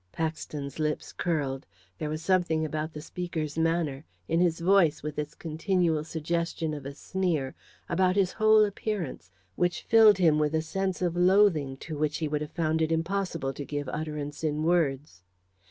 Paxton's lips curled. There was something about the speaker's manner in his voice, with its continual suggestion of a sneer, about his whole appearance which filled him with a sense of loathing to which he would have found it impossible to give utterance in words.